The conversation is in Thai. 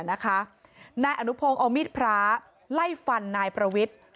นายอนุพงศ์เอามีดพระไล่ฟันนายประวิทธิ์